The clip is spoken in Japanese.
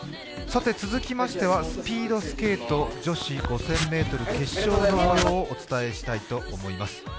続きましてはスピードスケート女子５０００ｍ決勝の模様をお伝えしたいと思います。